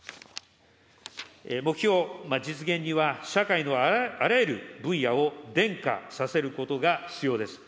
目標実現には、社会のあらゆる分野を電化させることが必要です。